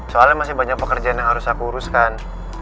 soalnya masih banyak pekerjaan yang harus aku uruskan